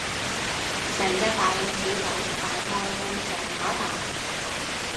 成隻大老鼠噉，大概噉上下大